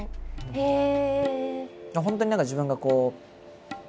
へえ！